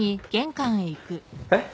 えっ？